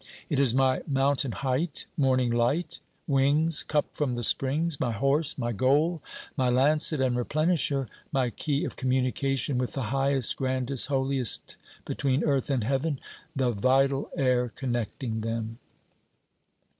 It is my mountain height, morning light, wings, cup from the springs, my horse, my goal, my lancet and replenisher, my key of communication with the highest, grandest, holiest between earth and heaven the vital air connecting them.